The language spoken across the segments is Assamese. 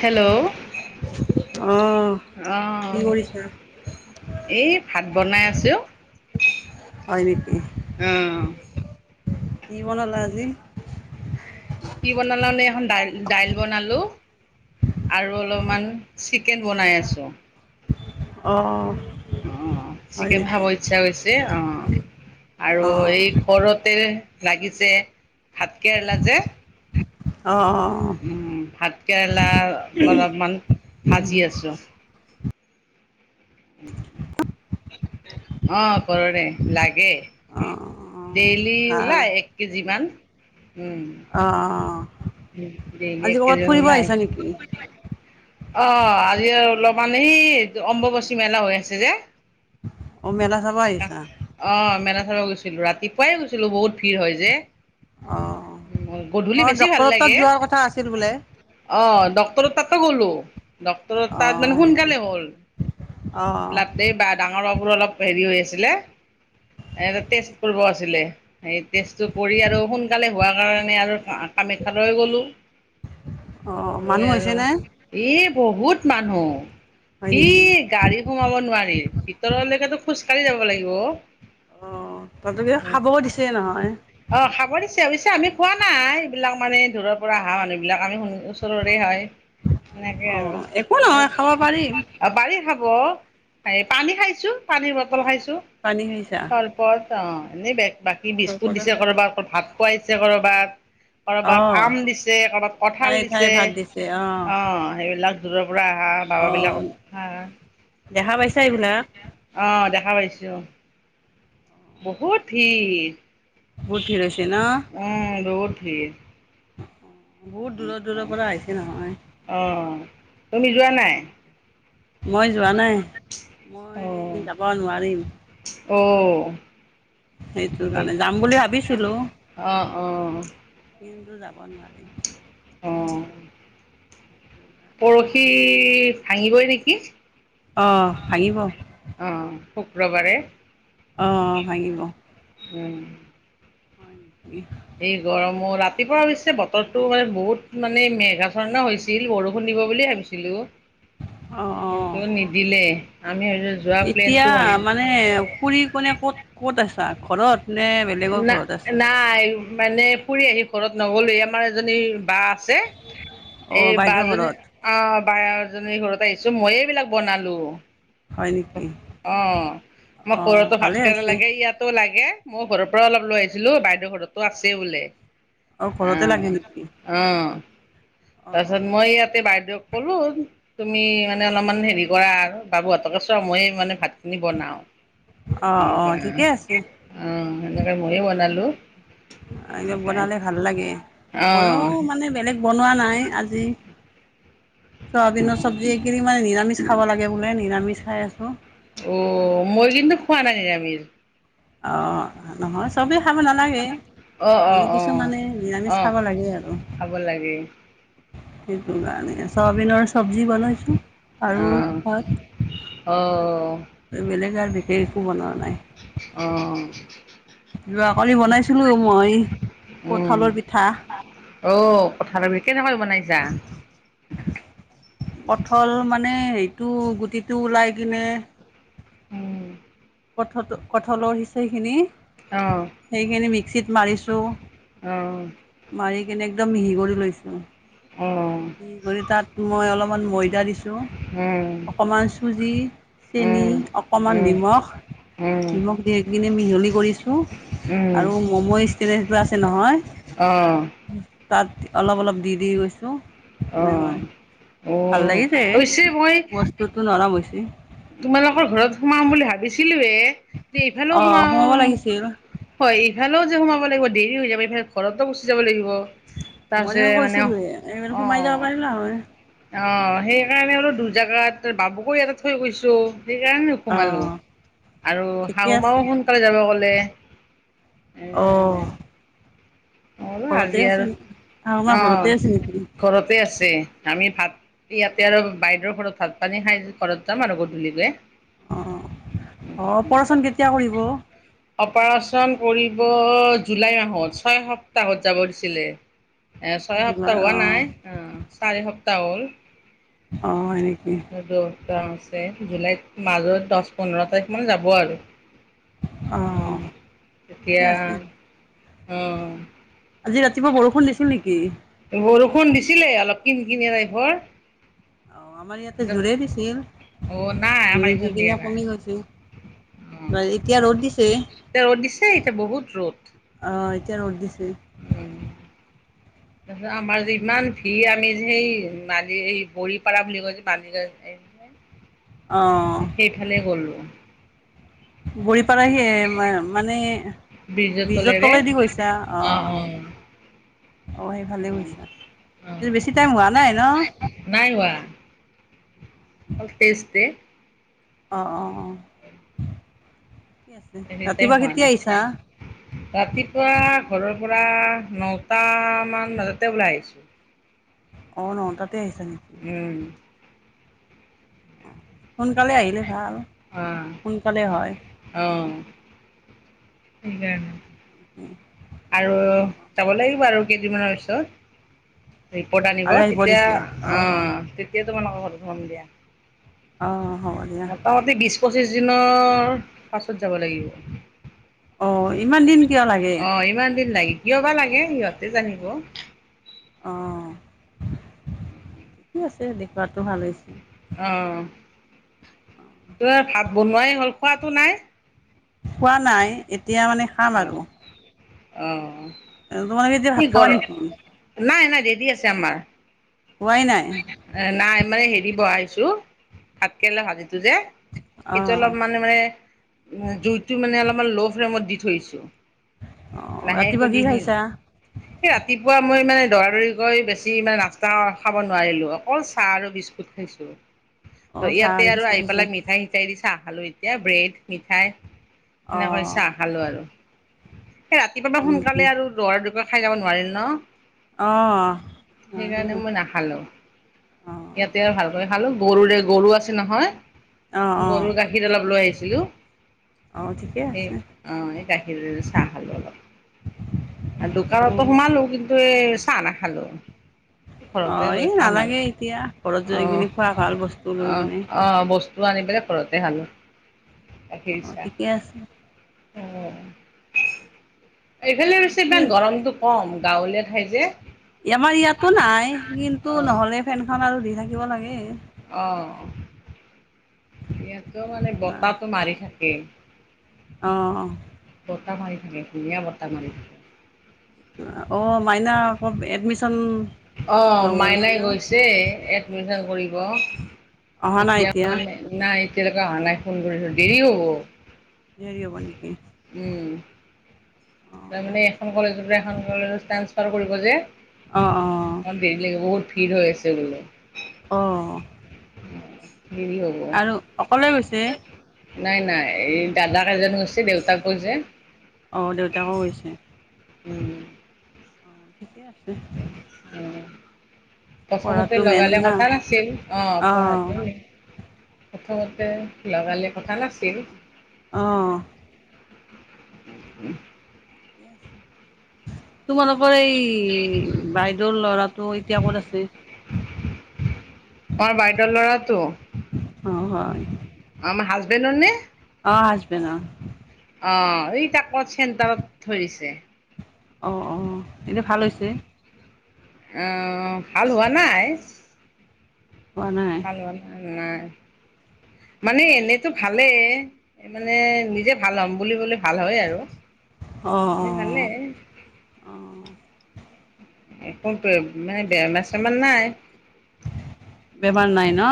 হেল্ল' অ', কি আহঁ কৰিছা? এই ভাত বনাই আছ হয় নেকি কি বনালা আছিল কি বনালানে এখন দাইল দাইল বনালো আৰু অলপমান চিকেন বনাই আছোঁ অ অ হয় চিকেন খাব নেকি? ইচ্ছাছে অ আৰু অ', এই ঘৰতে লাগিছে ভাতকেৰ লাজে অঁ ভাতকেৰেলা অলপমান ভাজি আছো উ অ কৰৰে লাগে অ', ডেইলি ভাল। ওলায় এক কেজিমান অ উম দে আজি একটেই ক'ৰবাত জান ফুৰিব ওলাই আহিছা নেকি? অ আজি অলপ মানে সি অম্বুবচী মেলা হৈ আছে যে অ', মেলা চাব আহিছা? অ মে গৈছিলো ৰাতিপুৱাইে গৈছিলো বহুত ভিৰ হয় যে অ উ গধূলি অ', বেছি ভাল ডক্তৰৰ তাত লাগে যোৱাৰ কথা আছিল বোলে? অ ডক্টৰৰ তাতো গ'লো। ডক্তৰ তাত অ', মানে হয় নেকি? সোনকালে হ'ল অ', ব্লত বা ডাঙৰ মোৰ অলপ হেৰি হৈ আছিলে। এটা টেষ্ট কৰিব আছিলে সেই টেষ্টটো কৰি আৰু সোনকালে হোৱা কাৰণে আৰু। কামাখ্যালৈ গ'লোঁ অ', গৈ মানুহ আৰু। হৈছেনে? এ বহুত মানুহ হয় সি নেকি? গাড়ী সোমাব নোৱাৰি ভিতৰলৈকেতো খোজকাঢ়ি যাব লাগিব অ। অ তাতোকে খাবও দিছে নহয় অ খাব দিছে অবশ্য আমি খোৱা নাই এইবিলাক মানে দূৰৰ পৰা আহা মানুহ বিলাক আমি শুনো। ওচৰৰে হয় সেনেকে আৰু অ', একো নহয় খাব পাৰিম। পাৰি খাব। হ এই পানী খাইছো পানীৰ বটল খাইছো পানী খাইছা? চৰবত অ এনেই ব বাকী অ', বিস্কুট চৰবত দিছে খাইছা? কৰবাত ভাত খোৱাইছে কৰবাত কৰবাত অ'। আম দিছে কৰবাত কঠাল ঠায়ে ঠায়ে দিছে ভাত দিছে অ সেইবিলাক দূৰৰ। পুৰা হা বাব অ বিলাকক হাঁ দেখা পাইছা এইবিলাক অ দে দেখা পাইছোঁ অ। বহুত ভিৰ বহুত ভিৰ হৈছে ন উম বহুত ভিৰ। বহুত দূৰৰ দূৰৰ পৰা আহিছে নহয় [unintelligible] অ তুমি যোৱা নাই। মই যোৱা নাই অ', মই যাব নোৱাৰিম। অ'। সেইটো সেই কাৰণে যাম বুলি ভাবিছিলো। অ', অ'। যাব নোৱাৰিম। অ। পৰহি ভাঙিবই নেকি আহ ভাঙিব অ', শুক্ৰবাৰে অহ ভাঙিব। উম হয় নেকি। এই গৰমো ৰাতিপুৱা অৱশ্যে বতৰটো মানে বহুত মানে মেঘা চৰণা হৈছিল বৰষুণ দিব বুলি ভাবিছিলো [inaudible] অ অ আমি ভাবিছোঁ যোৱা এতিয়া প্লেনটো বন্ধ মানে খুৰি কোনে ক'ত। ক'ত আছা ঘৰত নে বেলেগৰ না ঘৰত আছা নাই মানে ফুৰি আহি ঘৰত নগলয়ে আমাৰ এজনী বা। আছে অ এই বাইদেউৰ বাজনী ঘৰত অ। বজনীৰ ঘৰত আহিছো মইয়ে এইবিলাক বনালো হয় নেকি অ মই অ কো ভালে ভাতকৰে হৈছে লাগে ইয়াতো লাগে মই ঘৰৰ পৰা অলপ লৈ আহিছিলো বাইদেউৰ ঘৰতো আছে বোলে অ ঘৰতে লাগে অহ নেকি অহ। অঁ তাৰপিছত মই ইয়াতে বাইদেউক ক'লো তুমি মানে অলপমান হেৰি কৰা আৰু বাবুহঁতকে চ মইয়ে মানে ভাত বনাও অঁ অঁ ঠিকে আছে অ সেনেকে মইয়ে বনালো এনে বনালে ভাল লাগে ময়ো মানে বেলেগ বনোৱা নাই আজি চয়াবিনৰ অঁ ছৱজি এইকেইদিন মানে নিৰা। নিৰামিষ খাব লাগে বোলে নিৰামিষ খাই আছো অ মই কিন্তু খোৱা নাই নিৰামিষ। আহ নহয় চবেই খাব নালাগে অ' মানে অ' অ' কিছুমানে নিৰামিষ অ' খাব লাগে আৰু খাব লাগে সেইটো কাৰনে চয়াবিনৰ চবজি বনাইছো। আৰু অ' হয়। অ' বেলেগ আৰু বিশেষ একো বনোৱা নাই। অ', যোৱাকালি বনাইছিলো মই উম কঠালৰ পিঠা। অ, কথাটো বিষ কেনেককািব নাই যা [unintelligible] পথল মানে সেইটো গুটিটো ওলাই কিনে উম, কঠতো কঠলৰ সিচিখিনি, অ' সেইখিনি মিক্সিত মাৰিছো। অ'। মাৰি কিনে একদম মিহি কৰি লৈছো। অ' উম ই কৰি তাত মই অলপমান ময়দা দিছো। উম অকমান চুজি, চেনি, উম অকমান উম নিমখ। নিমখ দি কিনে মিহলি কৰিছো। উম আৰু মম ষ্ট্ৰেচটো আছে নহয়। অ', তাত অলপ - অলপ দি - দি গৈছো। অ' এনেকৈ। অ' ভাল লাগিছে, অৱশ্যে মই বস্তুতো নৰম হৈছি। তোমালোকৰ ঘৰত সোমাম বুলি ভাবিছিলোৱে। দে অ ইফালেও সোমাও সোমাব লাগিছিল হয়। ইফালেও যে সোমাব লাগিব দেৰি হৈ যাব ইফালে ঘৰতো গুচি যাব লাগিব। মই তাৰপিছত [unintelligible] মানে অ কৈছিলোৱে, অ [unintelligible] সোমাই যাব পাৰিলা হয়। অ, সেইকাৰণে অলপ দূৰ জাগাত বাবুকো ইয়াতে থৈ গৈছো। সেইকাৰণে অ সোমালো। আৰু ঠিকে আছে শাহুমাও সোনকালে যাব ক'লে। অ', অল ঘৰতে আজি আছে আৰু নেকি? আপোনাৰ অ, ঘৰতে আছে নেকি? ঘৰতে আছে। আমি ভাত ইয়াতে আৰু বাইদেউৰ ঘৰত ভাত পানী খাই ঘৰত যাম আৰু গধূলিকে। অ', অ', অপাৰেচন কেতিয়া কৰিব? অপাৰচন কৰি। কৌ জুলাই আহত, ছয় সপ্তাহত যাব দিছিলে। এ, ছয় সপ্তাহ হোৱা নাই, অ, চাৰি সপ্তাহ হ'ল। অ, হয়নেকি? চঙছে জুলাইত, মাজত দচ পোন্ধৰ তাৰিখ মানে যাব আৰু। অ, অ', ঠিকে এতিয়া আছে। অ, আজি ৰাতিপুৱা বৰষুণ দিছিল নিকী? বৰষুণ দিছিলে অলপ কিনকিনিয়া তাইফৰ। অ, আমাৰ ইয়াতে জোৰে দিছিল, অ' নাই আমাৰ জোৰে এইফালে দিয়া দিকিনে নাই। কমি গৈছিল। অ' এতিয়া ৰ'দ দিছে। এতিয়া ৰ'দ দিছে এতিয়া বহুত ৰ'দ। অ'। এতিয়া ৰ'দ দিছে। তাৰছত আমাৰ যে ইমান ভিৰ আমি যে সেই [unintelligible] এই বৰি পাৰা বুলি যে কয়, পানী যায়যে। [inaudible] অ', সেইফালে গ'লো। গৈ পালাহিয়ে ম মানে। ব্ৰিজৰ ব্ৰীজৰ তলেৰে তলেদি গৈছা? অ, অ, সেই ফালে শুইছা। অ' বেছি টাইম শুৱা নাই ন? অতেচ দে। অ', অ', অ', কি আছে? হেৰি টাইম ৰাতিপুৱা হোৱা কেতিয়া নাই। আহিছা? ৰাতিপুৱা ঘৰৰ পৰা নটা মান বাজাতে ওলাই আহিছো। অ', ন তাতে আহিছা নেকি? উম, সোনকালে আহিলে ভাল। অ', সোনকালে হয়। কি কাৰণে? উম। আৰু যাব লাগিব আৰু কেইদিনমানৰ পিছত। ৰিপৰ্ট আনিব আৰু আহিব তেতিয়া, দিছে অঁ তেতিয়া তোমালোক ঘৰত সোমাম দিয়া। অঁ হ'ব দিয়া মোটামুটি বিশ পঁচিশ দিনৰ, পাছত যাব লাগিব। অঁ ইমান দিন কিয় লাগে অ ইমান দিন লাগি কিহবা লাগে সিহঁতে জানিব। অ ঠিকে আছে দেখুৱাটো ভাল হৈছে। অঁ ত ভাত বনোৱাই হ'ল খোৱাটো নাই? খোৱা নাই এতিয়া মানে খাম অ', আৰু। অ তোমালোকে এতিয়া কি ভাত খাবা গৰম, নেকি নাই নাই ৰেদি আছে আমাৰ। খোৱাই নাই এ নাই মানে হেৰি বহাইছো ভাতকেৰেলা ভাজি সেইটো যে সেইটো অঁ অলপ মানে মানে জুইতটো মানে অলপ মান ল' ফ্লেমত দি থৈছো। অঁ ৰাতিপুৱা কি লাহেকৈ খাইছা [unintelligible] ৰাতিপুৱা মই মানে দৌৰা দৌৰিকৈ বেছি ইমান নাস্তা খাব নোৱাৰিলো অকল চাহ আৰু বিস্কুট খাইছোঁ। অঁ ত চাহ ইয়াতে আৰু বিস্কুট আহি খাইছা পেলাই মিঠাই চিঠাই দি চাহ খালোঁ। খালোঁ এতিয়া ব্ৰেড মিঠাই সেনেকৈ অঁ চাহ খালোঁ আৰু। ৰাতিপুৱাবা হয় নেকি সোনকালে আৰু দুৱাৰ দুক খাই যাব নোৱাৰিলো ন। অহ সেইকাৰণে [unintelligible] মই নাখালো ইয়াতে আৰু ভালকৈ খালো, গৰুৰে গৰু আছে নহয়। অঁ অঁ অঁ গৰুৰ গাখীৰ অলপ লৈ আহিছিলো। অঁ ঠিকে সেই আছে অঁ এইা গাখীৰেৰে চাহ খালোঁ অলপ। দোকানটো অঁ সোমালো কিন্তু এই চাহ নাখালো। অ ঘৰতে এই গৈ খাম আৰু নালাগে এতিয়া ঘৰত যাই কিনি খোৱা ভাল বস্তু লৈ অঁ অ কিনে অঁ বস্তু আনি পেলাই ঘৰতে খালোঁ। গাখীৰ অ চাহ ঠিকে আছে। অঁ এইফালে ছে ইমান গৰমটো কম গাঁৱলীয়া ঠাই যে, আমাৰ ইয়াতো নাই কিন্তু অঁ নহলে ফেনখন আৰু দি থাকিব লাগে। অঁ। ইয়াটো মানে বতাহটো মাৰি থাকে। অঁ বতা মাৰি থাকে ধুনীয়া বতা মাৰি থাকে। অ মাইনা অক এডমিশন অঁ মাইনাই গৈছে এডমিচন কৰিব। অহা নাই এতিয়া মানে নাই এতিয়ালৈকে অহা নাই ফোন কৰিছো, দেৰি হ'ব। দেৰি হব নেকি? তাৰ মানে অ এখন কলেজৰ পৰা এখন কলেজত ট্ৰানঞ্চপাৰ কৰিব যে, অ অমান দেৰি লাগে বহুত ভিৰ হৈ আছে বোলে। অহ দেৰি হব। গৈছে নাই নাই এই দাদাক এজন হৈছে দেউতাক গৈছে। অঁ দেউতাকো কৈছে। উম অ ঠিকে আছে। অ' প্ৰথমতে পঢ়াটো মেইন লগালে না কথা নাছিল, অহ অঁ পঢ়াটো। প্ৰথমতে লগালে কথা নাছিল। অহহ। [inaudible] ঠিকেই আছে। তোমালোকৰ এই বাইদেউৰ ল'ৰাটো এতিয়া ক'ত আছে? [inaudible] আমাৰ বাইদেউৰ ল'ৰাটো? অ' হয়। [unintelligible] অ আচবেন অ। অ এইটা ক'ত চেণ্টাৰত ধৰিছে। অ অ, এতিয়া ভাল হৈছে। অহ ভাল হোৱা নাই। হোৱা নাই? [unintelligible] মানে এনেতো ভালেই, মানে নিজে ভাল হ'ম বুলি কলে। ভাল হয় আৰু অ' মানে অ' ভালেই। অ' একো এই বেমাৰ-ছেমাৰ নাই। বেমাৰ নাই ন?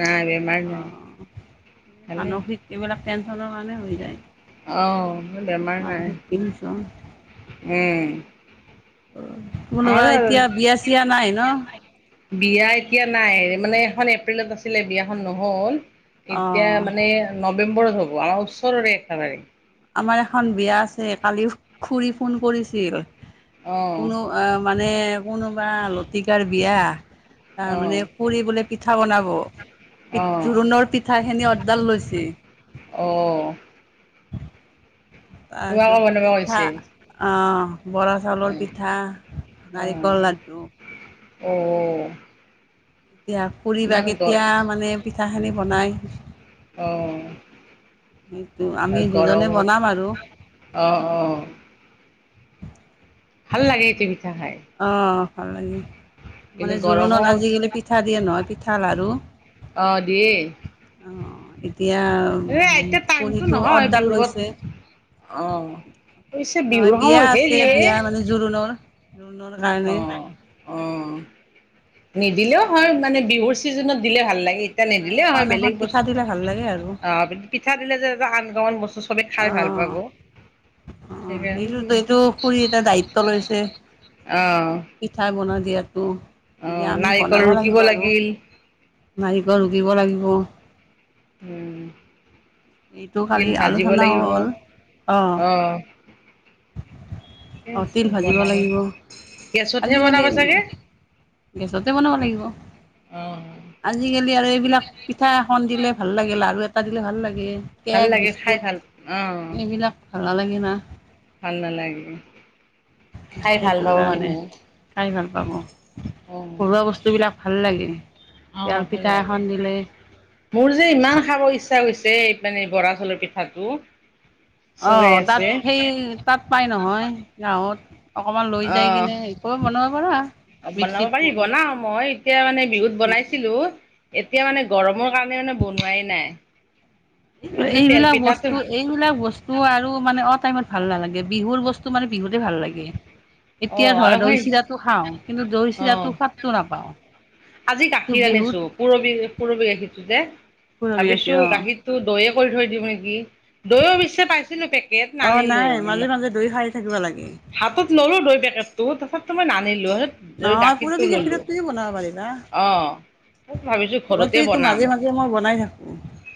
নাই বেমাৰ নাই, অ। ভালে। মানসিক এইবিলাক টেনচনৰ কাৰণে হৈ যায়। অ। মোৰ বেমাৰ নাই, [unintelligible] উম। কোনোবা আমাৰো আৰু এতিয়া বিয়া-চিয়া নাই ন? বিয়া এতিয়া নাই, মানে এখন এপ্ৰিলত আছিলে বিয়াখন নহ'ল। এতিয়া অ' মানে নৱেম্বৰত হব, আমাৰ ওচৰৰে একেবাৰে। আমাৰ এখন বিয়া আছে, কালি খুড়ী ফোন কৰিছিল। অ', কোনো আহ মানে কোনোবা লতিকাৰ বিয়া। তাৰ মানে অ'। পুৰি বোলে পিঠা বনাব। অ', জোৰোণৰ পিঠা খিনি ডাল লৈছে। অ। তোমাকো তাৰপিছত বনাব পিঠা কৈছে অ। বৰা চাউলৰ, অ', পিঠা নাৰিকল লাডু। অ। এতিয়া খুড়ী বা ইমান গৰ কেতিয়া মানে পিঠা খিনি বনাই। সেইটো আমি অহ দুজনে বনাম গৰমত আৰু অ অ। ভাল লাগে তুমি অহ ভাল লাগে। কিন্তু মানে জোৰোণত গৰমত আজিকালি পিঠা দিয়ে নহয়, পিঠা লাড়ু। অহ দিয়ে। এতিয়া এ এতিয়া টাইমতটো খুৰীটো নহয়, অৰ্ডাৰ বিহুৰ লৈছে বত অ নহয় বিহুৰ বিয়া সময় হৈছে আছে বিয়া মানে জোৰোণৰ দে। [unintelligible] অ নিদিলেও হয় মানে, বিহুৰ ছিজনত দিলে ভাল লাগে। এতিয়া নিদিলে এখন হয় এখন বেলেগ পিঠা বস্তু। দিলে ভাল লাগে আৰু অ পিঠা দিলে যে এ আন কমন বস্তু। চবে খাই ভাল অ' পাব। অঁ সেইটোতো এইটো খুৰী এটা দায়িত্ব লৈছে [unintelligible] অ', পিঠা বনাই দিয়াত এতিয়া অ', আমি নাৰিকল বনাব ৰুকিব লাগিব আৰু লাগিল নাৰিকল ৰুকিব লাগিব। উম এইটো তিল কালি ভাজিব আলোচনা লাগিব হ'ল অহ। অ তিল ভাজিব বনাব লাগিব। গেছতহে বনাব আজিকালি। চাগে গেছতে বনাব লাগিব। অ', আজিকালি আৰু এইবিলাক পিঠা এখন দিলে ভাল লাগে, লাৰু এটা দিলে ভাল লাগে। ভাল কেক, লাগে খাই বিস্কুট ভাল অ', এইবিলাক ভাল নালাগে না। ভাল নালাগে। খাই ভাল সেইটো পাব কাৰণে মানুহে খাই ভাল পাব। ঘৰুৱা বস্তু বিলাক ভাল লাগে। অহ, তেল ভাল পিঠা লাগে এখন দিলে মোৰ যে, ইমান খাব ইচ্ছা গৈছে। মানে বৰা চাউলৰ পিঠাটো। অহ, চজাই তাত আছে সেই তাত পাই নহয় গাঁৱত। অকমান লৈ যাই কিনে একো বনাব পাৰ। অহ, বনাব পাৰি বনাও মই, এতিয়া মানে বিহুত বনাইছিলো। এতিয়া মানে, গৰমৰ কাৰণে মানে বনোৱাই নাই। এনে তেল এইবিলাক পিঠাটো বস্তু এইবিলাক বস্তু আৰু মানে অহ টাইমত ভাল নালাগে বিহুৰ বস্তু মানে বিহুতে ভাল লাগে, অ এতিয়া ধৰ আৰু সেই দই চিৰাটো খাওঁ। কিন্তু, দৈ অ চিৰাটো সোৱাদটো নাপাওঁ। আজি কিন্তু গাখীৰ বিহুত আনিছো পুৰবি পুৰবি গাখীৰটো যে পুৰবী গাখীৰ ভাবিছো অ' গাখীৰটো দৈ। দৈয়ে কৰি থৈ দিম নেকি, দৈ পিছে পাইছিলো পেকেট অ' নানিলো নাই মাজে বোলা। মাজে দৈ খাই থাকিব লাগে। হাতত ললো দৈ পেকটো তাথাপিটো মই নানিলো। নহয় গাখীৰটো পুৰবী ললো গাখীৰটোয়ে বনাব পাৰিলা অ না। ভাবিছো ঘৰতে মইটো এইটো বনাম মাজে মাজে মই বনাই থাকো।